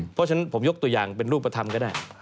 เพราะฉะนั้นผมยกตัวอย่างเป็นรูปธรรมก็ได้